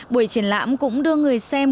buổi triển lãm cũng đưa người xem